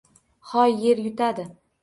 Hoy, yer yutadi!